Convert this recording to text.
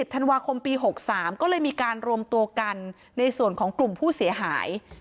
ธันวาคมปี๖๓ก็เลยมีการรวมตัวกันในส่วนของกลุ่มผู้เสียหาย